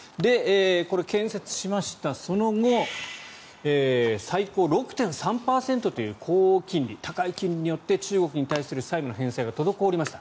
これ、建設しましたその後最高６．３％という高金利高い金利によって中国の債務の返済が滞りました。